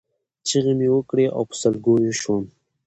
چغې مې وکړې او په سلګیو شوم.